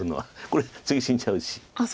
これ次死んじゃうし。